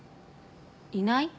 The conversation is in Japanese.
いない？